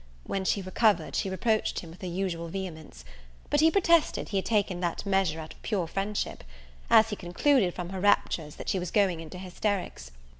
When she recovered, she reproached him with her usual vehemence; but he protested he had taken that measure out of pure friendship, as he concluded, from her raptures, that she was going into hysterics.